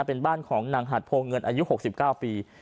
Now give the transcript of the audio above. เป็นบ้านของนางหัดโพเงินอายุ๖๙ปี